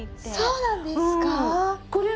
そうなんです。